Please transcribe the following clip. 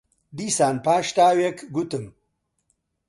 دیسان پاش تاوێک گوتم: